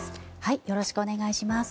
よろしくお願いします。